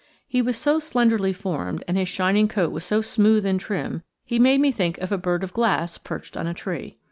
He was so slenderly formed, and his shining coat was so smooth and trim, he made me think of a bird of glass perched on a tree.